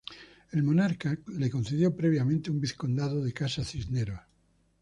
El monarca le concedió previamente un vizcondado de Casa Cisneros.